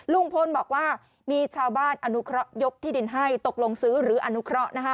ลุงพลบอกว่ามีชาวบ้านอนุเคราะห์ยกที่ดินให้ตกลงซื้อหรืออนุเคราะห์